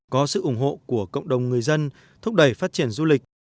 có sự ủng hộ của cộng đồng người dân thúc đẩy phát triển du lịch